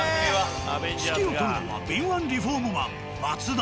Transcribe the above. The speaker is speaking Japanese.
指揮を執るのは敏腕リフォームマン松田。